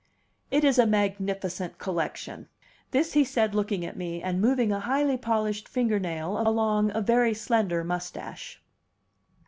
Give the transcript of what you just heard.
"It is a magnificent collection." This he said looking at me, and moving a highly polished finger nail along a very slender mustache.